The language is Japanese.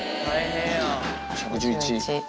１１１。